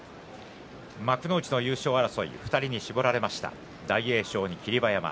幕内の優勝争いは２人に絞られました大栄翔に霧馬山。